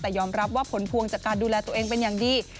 แต่ยอมรับว่าผลพวงจากการดูแลตัวเองเป็นอย่างดี